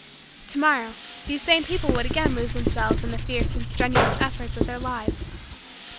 To morrow, these same people would again lose themselves in the fierce and strenuous effort of their lives.